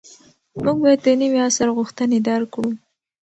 موږ باید د نوي عصر غوښتنې درک کړو.